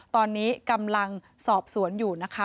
ตอนนี้กำลังสอบสวนอยู่นะคะ